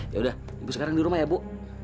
yaudah ibu sekarang di rumah ya bu